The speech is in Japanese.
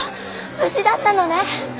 無事だったのね。